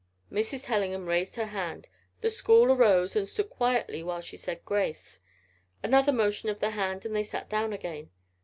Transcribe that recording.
Mrs. Tellingham raised her hand. The school arose and stood quietly while she said grace. Another motion of the hand, and they sat down again.